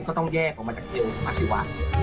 ก็ต้องแยกออกมาจากเอวอาชีวะ